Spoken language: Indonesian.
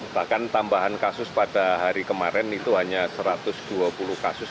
bahkan tambahan kasus pada hari kemarin itu hanya satu ratus dua puluh kasus